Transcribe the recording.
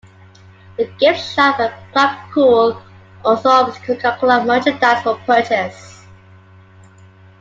The gift shop at Club Cool also offers Coca-Cola merchandise for purchase.